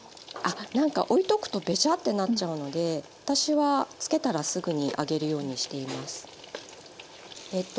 なんかおいとくとべしゃってなっちゃうので私はつけたらすぐに揚げるようにしています。